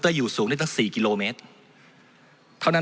มันตรวจหาได้ระยะไกลตั้ง๗๐๐เมตรครับ